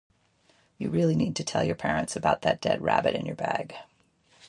You really need to tell your parents about that dead rabbit in your bag